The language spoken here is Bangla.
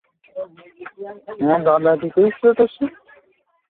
ধরুন আপনার কাছে কিছু মানুষের ওজন-উচ্চতার ডেটা রয়েছে।